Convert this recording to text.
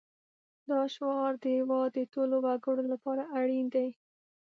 دا شعار د هېواد د ټولو وګړو لپاره اړین دی